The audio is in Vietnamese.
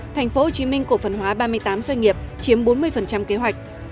thành phố hồ chí minh cổ phần hóa ba mươi tám doanh nghiệp chiếm bốn mươi kế hoạch